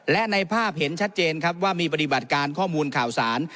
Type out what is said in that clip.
และในภาพเห็นชัดเจนครับว่ามีปฏิบัติการข้อมูลข่าวสาร